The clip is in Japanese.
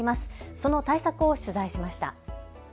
その対策を取材しました。